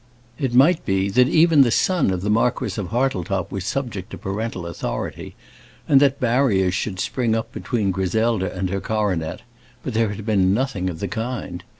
It might be that even the son of the Marquis of Hartletop was subject to parental authority, and that barriers should spring up between Griselda and her coronet; but there had been nothing of the kind.